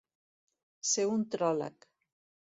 Ser un tròlec.